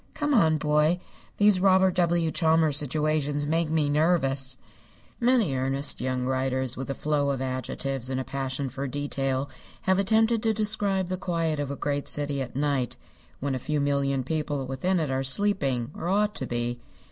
Come on, boy. These Robert W. Chambers situations make me nervous." Many earnest young writers with a flow of adjectives and a passion for detail have attempted to describe the quiet of a great city at night, when a few million people within it are sleeping, or ought to be.